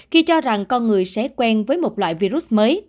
khi cho rằng con người sẽ quen với một loại virus mới